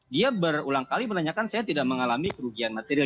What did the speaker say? dia berulang kali menanyakan saya tidak mengalami kerugian material